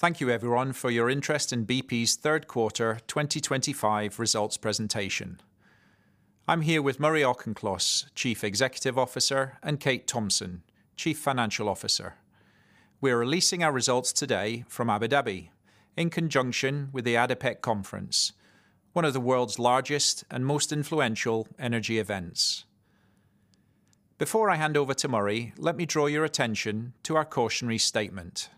Thank you, everyone, for your interest in BP's third quarter 2025 results presentation. I'm here with Murray Auchincloss, Chief Executive Officer, and Kate Thomson, Chief Financial Officer. We're releasing our results today from Abu Dhabi in conjunction with the ADIPEC Conference, one of the world's largest and most influential energy events. Before I hand over to Murray, let me draw your attention to our cautionary statement.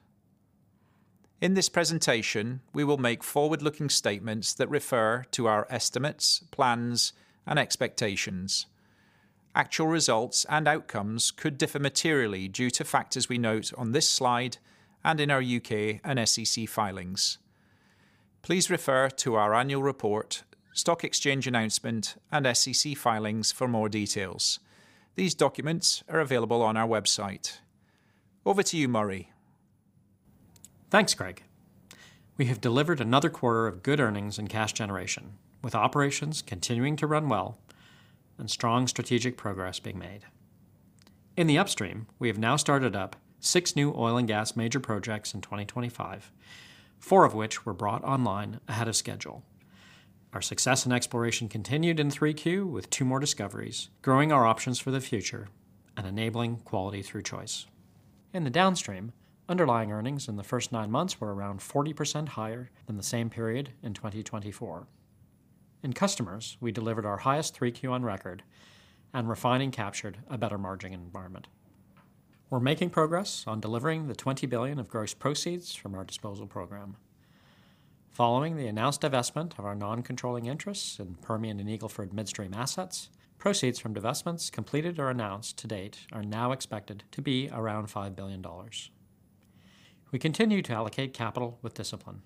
In this presentation, we will make forward-looking statements that refer to our estimates, plans, and expectations. Actual results and outcomes could differ materially due to factors we note on this slide and in our UK and SEC filings. Please refer to our Annual Report, Stock Exchange announcement, and SEC filings for more details. These documents are available on our website. Over to you, Murray. Thanks, Craig. We have delivered another quarter of good earnings and cash generation, with operations continuing to run well and strong strategic progress being made. In the upstream, we have now started up six new oil and gas major projects in 2025, four of which were brought online ahead of schedule. Our success and exploration continued in 3Q with two more discoveries, growing our options for the future and enabling quality through choice. In the downstream, underlying earnings in the first nine months were around 40% higher than the same period in 2024. In customers, we delivered our highest 3Q on record and refining captured a better margin environment. We're making progress on delivering the $20 billion of gross proceeds from our disposal program. Following the announced divestment of our non-controlling interests in Permian and Eagle Ford midstream assets, proceeds from divestments completed or announced to date are now expected to be around $5 billion. We continue to allocate capital with discipline.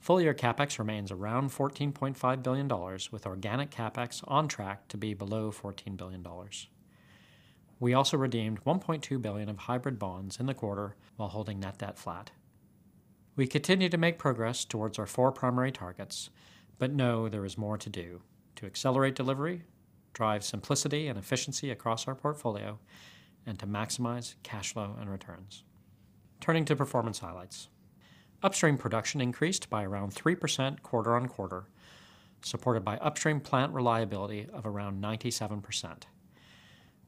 Full year CapEx remains around $14.5 billion, with organic CapEx on track to be below $14 billion. We also redeemed $1.2 billion of hybrid bonds in the quarter while holding net debt flat. We continue to make progress towards our four primary targets, but know there is more to do to accelerate delivery, drive simplicity and efficiency across our portfolio, and to maximize cash flow and returns. Turning to performance highlights, upstream production increased by around 3% quarter on quarter, supported by upstream plant reliability of around 97%.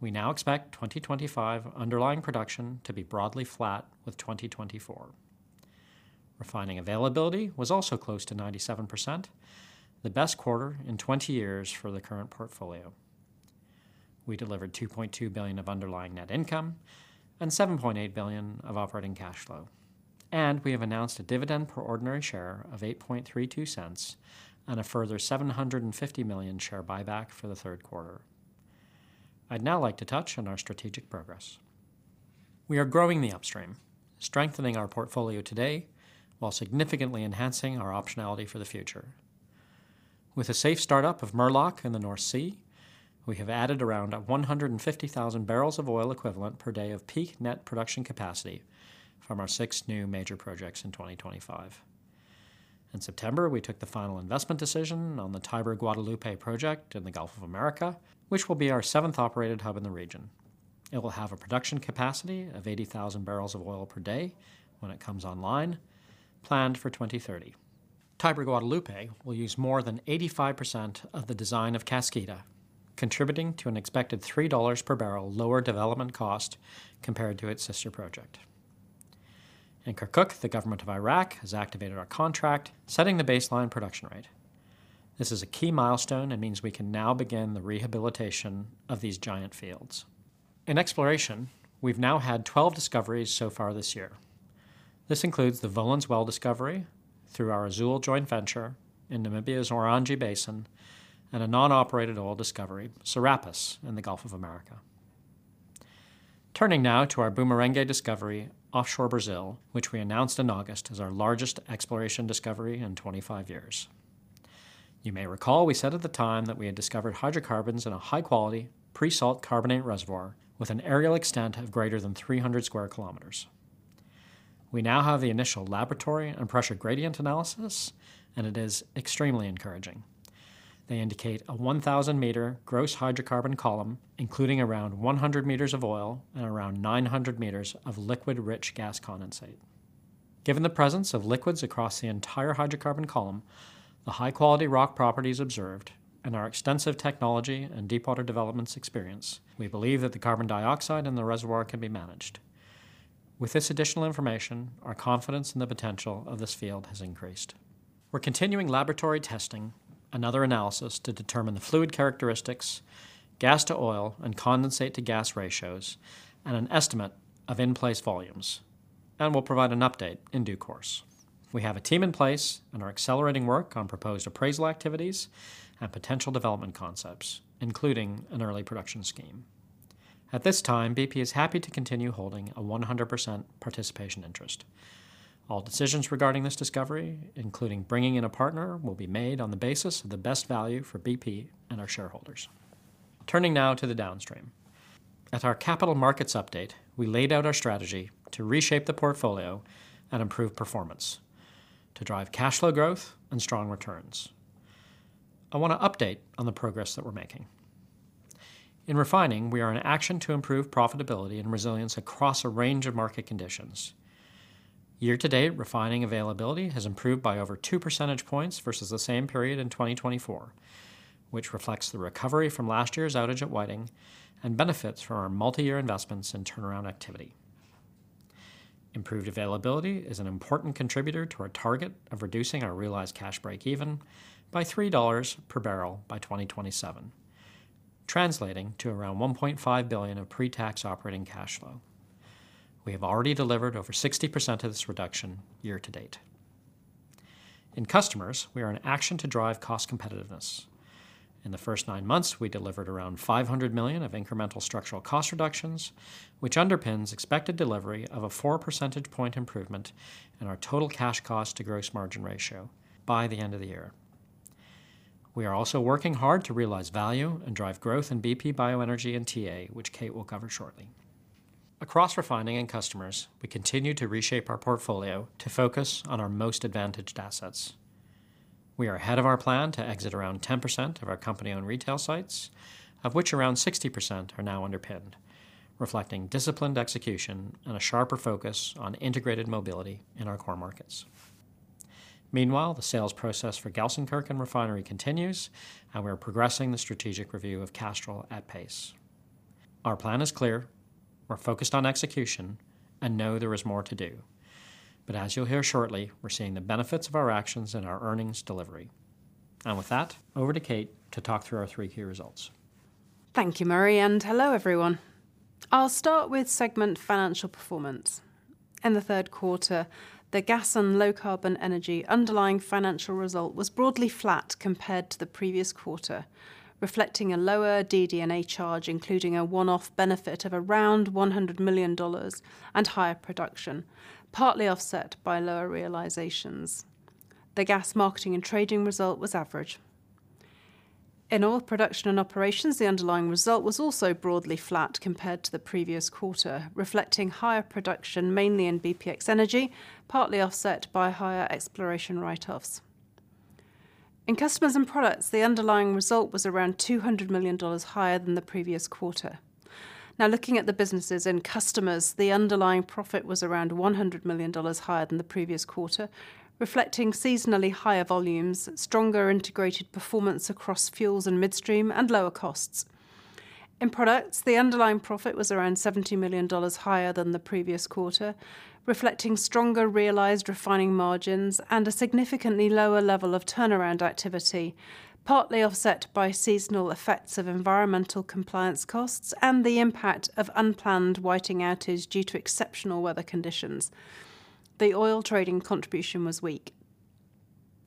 We now expect 2025 underlying production to be broadly flat with 2024. Refining availability was also close to 97%, the best quarter in 20 years for the current portfolio. We delivered $2.2 billion of underlying net income and $7.8 billion of operating cash flow. And we have announced a dividend per ordinary share of $8.32 and a further $750 million share buyback for the third quarter. I'd now like to touch on our strategic progress. We are growing the upstream, strengthening our portfolio today while significantly enhancing our optionality for the future. With a safe startup of Murlach in the North Sea, we have added around 150,000 bbl of oil equivalent per day of peak net production capacity from our six new major projects in 2025. In September, we took the final investment decision on the Tiber Guadalupe project in the Gulf of Mexico, which will be our seventh operated hub in the region. It will have a production capacity of 80,000 bbl of oil per day when it comes online, planned for 2030. Tiber Guadalupe will use more than 85% of the design of Kaskida, contributing to an expected $3 per barrel lower development cost compared to its sister project. In Kirkuk, the government of Iraq has activated our contract, setting the baseline production rate. This is a key milestone and means we can now begin the rehabilitation of these giant fields. In exploration, we've now had 12 discoveries so far this year. This includes the Volans Well discovery through our Azule joint venture in Namibia's Orange Basin and a non-operated oil discovery, Serapis, in the Gulf of Mexico. Turning now to our Bumerangue discovery, offshore Brazil, which we announced in August as our largest exploration discovery in 25 years. You may recall we said at the time that we had discovered hydrocarbons in a high-quality pre-salt carbonate reservoir with an aerial extent of greater than 300 square km. We now have the initial laboratory and pressure gradient analysis, and it is extremely encouraging. They indicate a 1,000 meter gross hydrocarbon column, including around 100 meters of oil and around 900 meters of liquid-rich gas condensate. Given the presence of liquids across the entire hydrocarbon column, the high-quality rock properties observed, and our extensive technology and deep-water developments experience, we believe that the carbon dioxide in the reservoir can be managed. With this additional information, our confidence in the potential of this field has increased. We're continuing laboratory testing, another analysis to determine the fluid characteristics, gas to oil and condensate to gas ratios, and an estimate of in-place volumes, and we'll provide an update in due course. We have a team in place and are accelerating work on proposed appraisal activities and potential development concepts, including an early production scheme. At this time, BP is happy to continue holding a 100% participation interest. All decisions regarding this discovery, including bringing in a partner, will be made on the basis of the best value for BP and our shareholders. Turning now to the downstream. At our capital markets update, we laid out our strategy to reshape the portfolio and improve performance to drive cash flow growth and strong returns. I want to update on the progress that we're making. In refining, we are in action to improve profitability and resilience across a range of market conditions. Year to date, refining availability has improved by over 2 percentage points versus the same period in 2024, which reflects the recovery from last year's outage at Whiting and benefits from our multi-year investments and turnaround activity. Improved availability is an important contributor to our target of reducing our realized cash break even by $3 per barrel by 2027, translating to around $1.5 billion of pre-tax operating cash flow. We have already delivered over 60% of this reduction year to date. In customers, we are in action to drive cost competitiveness. In the first nine months, we delivered around $500 million of incremental structural cost reductions, which underpins expected delivery of a 4 percentage point improvement in our total cash cost to gross margin ratio by the end of the year. We are also working hard to realize value and drive growth in BP Bioenergy and TA, which Kate will cover shortly. Across refining and customers, we continue to reshape our portfolio to focus on our most advantaged assets. We are ahead of our plan to exit around 10% of our company-owned retail sites, of which around 60% are now underpinned, reflecting disciplined execution and a sharper focus on integrated mobility in our core markets. Meanwhile, the sales process for Gelsenkirchen Refinery continues, and we are progressing the strategic review of Castrol at pace. Our plan is clear. We're focused on execution and know there is more to do. But as you'll hear shortly, we're seeing the benefits of our actions and our earnings delivery. And with that, over to Kate to talk through our 3Q results. Thank you, Murray, and hello, everyone. I'll start with segment financial performance. In the third quarter, the gas and low carbon energy underlying financial result was broadly flat compared to the previous quarter, reflecting a lower DD&A charge, including a one-off benefit of around $100 million and higher production, partly offset by lower realizations. The gas marketing and trading result was average. In all production and operations, the underlying result was also broadly flat compared to the previous quarter, reflecting higher production mainly in BPX Energy, partly offset by higher exploration write-offs. In customers and products, the underlying result was around $200 million higher than the previous quarter. Now, looking at the businesses and customers, the underlying profit was around $100 million higher than the previous quarter, reflecting seasonally higher volumes, stronger integrated performance across fuels and midstream, and lower costs. In products, the underlying profit was around $70 million higher than the previous quarter, reflecting stronger realized refining margins and a significantly lower level of turnaround activity, partly offset by seasonal effects of environmental compliance costs and the impact of unplanned Whiting outages due to exceptional weather conditions. The oil trading contribution was weak.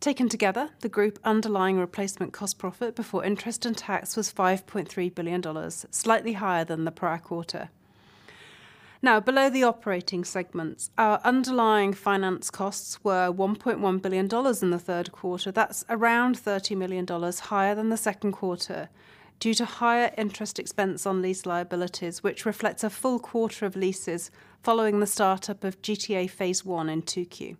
Taken together, the group underlying replacement cost profit before interest and tax was $5.3 billion, slightly higher than the prior quarter. Now, below the operating segments, our underlying finance costs were $1.1 billion in the third quarter. That's around $30 million higher than the second quarter due to higher interest expense on lease liabilities, which reflects a full quarter of leases following the startup of GTA phase I in 2Q.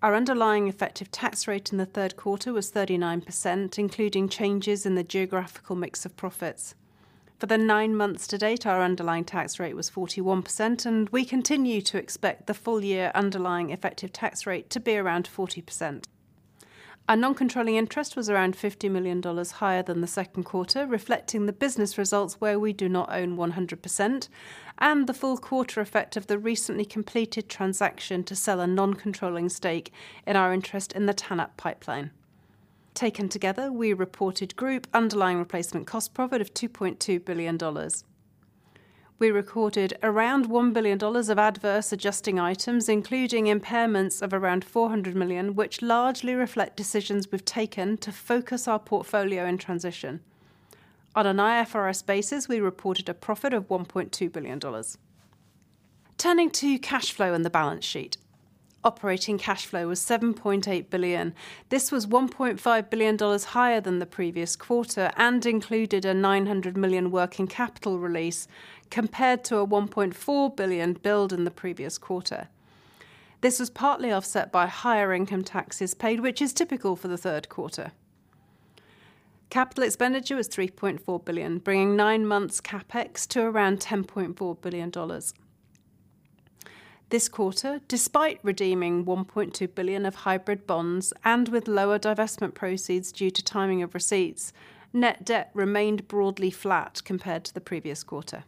Our underlying effective tax rate in the third quarter was 39%, including changes in the geographical mix of profits. For the nine months to date, our underlying tax rate was 41%, and we continue to expect the full year underlying effective tax rate to be around 40%. Our non-controlling interest was around $50 million higher than the second quarter, reflecting the business results where we do not own 100% and the full quarter effect of the recently completed transaction to sell a non-controlling stake in our interest in the TANAP pipeline. Taken together, we reported group underlying replacement cost profit of $2.2 billion. We recorded around $1 billion of adverse adjusting items, including impairments of around $400 million, which largely reflect decisions we've taken to focus our portfolio in transition. On an IFRS basis, we reported a profit of $1.2 billion. Turning to cash flow in the balance sheet, operating cash flow was $7.8 billion. This was $1.5 billion higher than the previous quarter and included a $900 million working capital release compared to a $1.4 billion build in the previous quarter. This was partly offset by higher income taxes paid, which is typical for the third quarter. Capital expenditure was $3.4 billion, bringing nine months' CapEx to around $10.4 billion. This quarter, despite redeeming $1.2 billion of hybrid bonds and with lower divestment proceeds due to timing of receipts, net debt remained broadly flat compared to the previous quarter.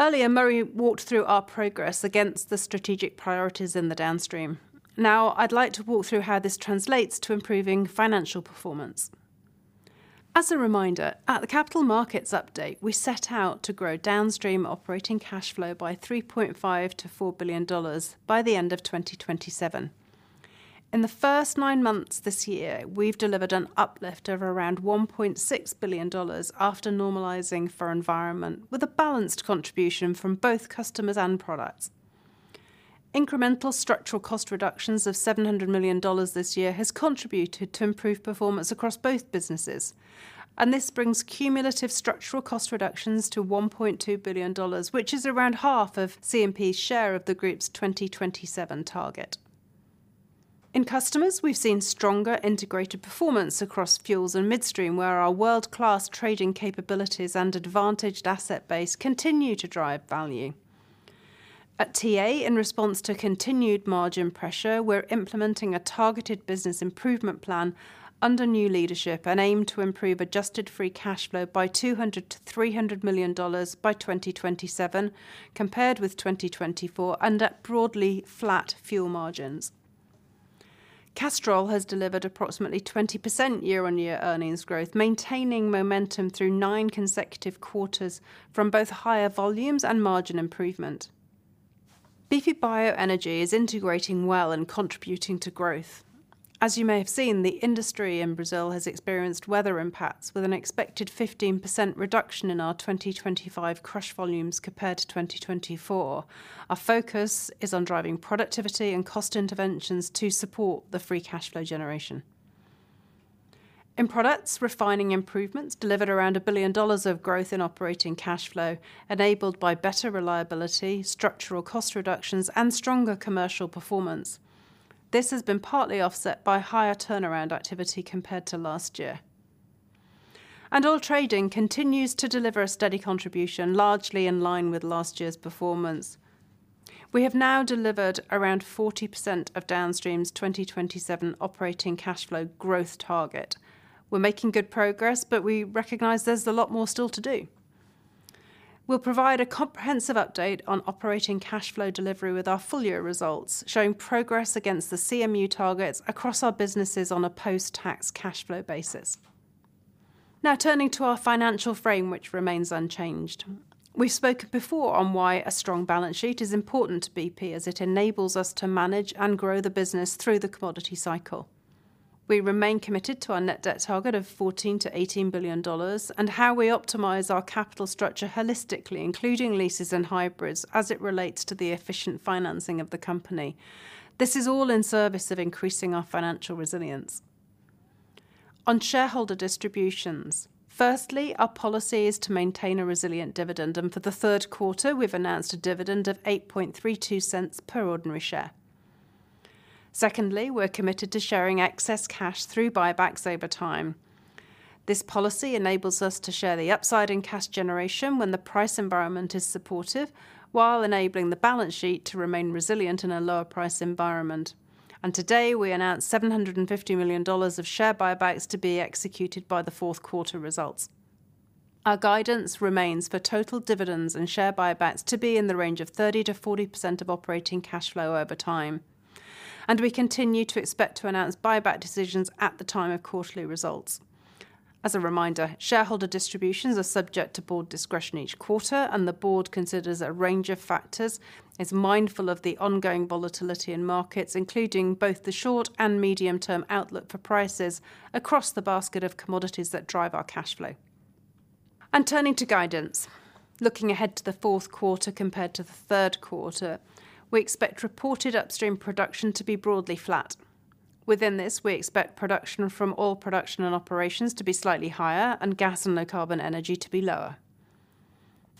Earlier, Murray walked through our progress against the strategic priorities in the downstream. Now, I'd like to walk through how this translates to improving financial performance. As a reminder, at the Capital Markets Update, we set out to grow downstream operating cash flow by $3.5 billion-$4 billion by the end of 2027. In the first nine months this year, we've delivered an uplift of around $1.6 billion after normalizing for environment, with a balanced contribution from both customers and products. Incremental structural cost reductions of $700 million this year have contributed to improved performance across both businesses, and this brings cumulative structural cost reductions to $1.2 billion, which is around half of C&P share of the group's 2027 target. In customers, we've seen stronger integrated performance across fuels and midstream, where our world-class trading capabilities and advantaged asset base continue to drive value. At TA, in response to continued margin pressure, we're implementing a targeted business improvement plan under new leadership and aim to improve adjusted free cash flow by $200 million-$300 million by 2027, compared with 2024, and at broadly flat fuel margins. Castrol has delivered approximately 20% year-on-year earnings growth, maintaining momentum through nine consecutive quarters from both higher volumes and margin improvement. BP Bioenergy is integrating well and contributing to growth. As you may have seen, the industry in Brazil has experienced weather impacts, with an expected 15% reduction in our 2025 crush volumes compared to 2024. Our focus is on driving productivity and cost interventions to support the free cash flow generation. In products, refining improvements delivered around $1 billion of growth in operating cash flow, enabled by better reliability, structural cost reductions, and stronger commercial performance. This has been partly offset by higher turnaround activity compared to last year. And oil trading continues to deliver a steady contribution, largely in line with last year's performance. We have now delivered around 40% of downstreams 2027 operating cash flow growth target. We're making good progress, but we recognize there's a lot more still to do. We'll provide a comprehensive update on operating cash flow delivery with our full year results, showing progress against the CMU targets across our businesses on a post-tax cash flow basis. Now, turning to our financial frame, which remains unchanged. We've spoken before on why a strong balance sheet is important to BP, as it enables us to manage and grow the business through the commodity cycle. We remain committed to our net debt target of $14 billion-$18 billion and how we optimize our capital structure holistically, including leases and hybrids, as it relates to the efficient financing of the company. This is all in service of increasing our financial resilience. On shareholder distributions, firstly, our policy is to maintain a resilient dividend, and for the third quarter, we've announced a dividend of $0.0832 per ordinary share. Secondly, we're committed to sharing excess cash through buybacks over time. This policy enables us to share the upside in cash generation when the price environment is supportive, while enabling the balance sheet to remain resilient in a lower price environment. And today, we announced $750 million of share buybacks to be executed by the fourth quarter results. Our guidance remains for total dividends and share buybacks to be in the range of 30%-40% of operating cash flow over time. And we continue to expect to announce buyback decisions at the time of quarterly results. As a reminder, shareholder distributions are subject to board discretion each quarter, and the board considers a range of factors, is mindful of the ongoing volatility in markets, including both the short and medium-term outlook for prices across the basket of commodities that drive our cash flow, and turning to guidance, looking ahead to the fourth quarter compared to the third quarter, we expect reported upstream production to be broadly flat. Within this, we expect production from oil production and operations to be slightly higher and gas and low carbon energy to be lower.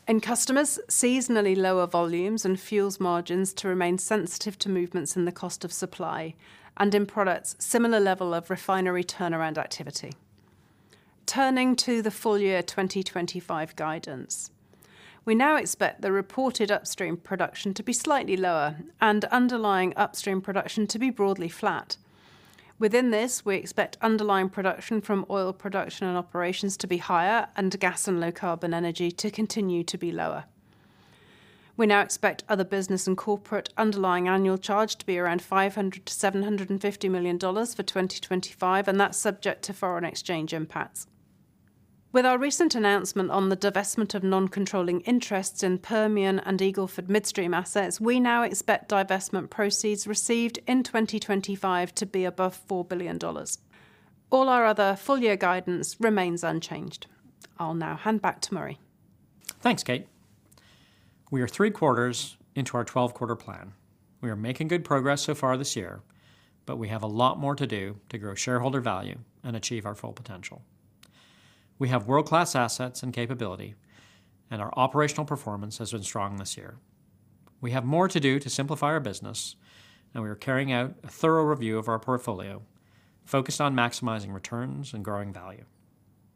In customers, seasonally lower volumes and fuels margins to remain sensitive to movements in the cost of supply and in products, similar level of refinery turnaround activity. Turning to the full year 2025 guidance, we now expect the reported upstream production to be slightly lower and underlying upstream production to be broadly flat. Within this, we expect underlying production from oil production and operations to be higher and gas and low carbon energy to continue to be lower. We now expect other business and corporate underlying annual charge to be around $500 million-$750 million for 2025, and that's subject to foreign exchange impacts. With our recent announcement on the divestment of non-controlling interests in Permian and Eagle Ford midstream assets, we now expect divestment proceeds received in 2025 to be above $4 billion. All our other full year guidance remains unchanged. I'll now hand back to Murray. Thanks, Kate. We are three quarters into our 12-quarter plan. We are making good progress so far this year, but we have a lot more to do to grow shareholder value and achieve our full potential. We have world-class assets and capability, and our operational performance has been strong this year. We have more to do to simplify our business, and we are carrying out a thorough review of our portfolio focused on maximizing returns and growing value.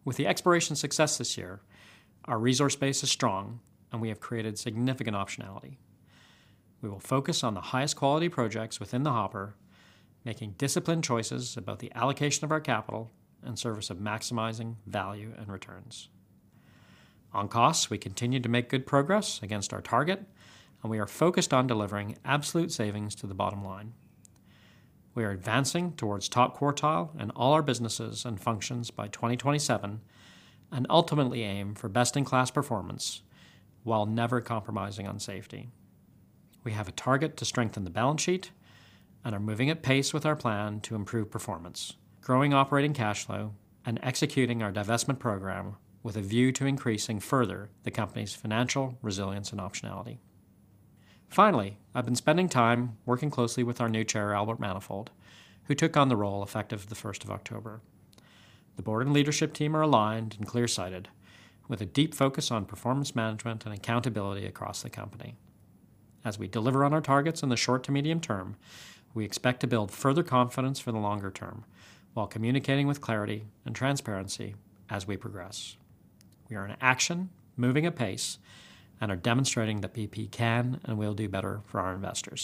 With the exploration success this year, our resource base is strong, and we have created significant optionality. We will focus on the highest quality projects within the hopper, making disciplined choices about the allocation of our capital in service of maximizing value and returns. On costs, we continue to make good progress against our target, and we are focused on delivering absolute savings to the bottom line. We are advancing towards top quartile in all our businesses and functions by 2027 and ultimately aim for best-in-class performance while never compromising on safety. We have a target to strengthen the balance sheet and are moving at pace with our plan to improve performance, growing operating cash flow, and executing our divestment program with a view to increasing further the company's financial resilience and optionality. Finally, I've been spending time working closely with our new Chair, Albert Manifold, who took on the role effective the 1st of October. The Board and Leadership team are aligned and clear-sighted, with a deep focus on performance management and accountability across the company. As we deliver on our targets in the short to medium term, we expect to build further confidence for the longer term while communicating with clarity and transparency as we progress. We are in action, moving at pace, and are demonstrating that BP can and will do better for our investors.